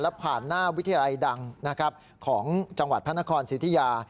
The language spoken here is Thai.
และผ่านหน้าวิทยาลัยดังนะครับของจังหวัดพระนครสิทธิยา